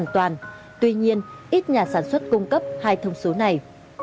tuy nhiên ít nhà sản xuất cung cấp hai thông số này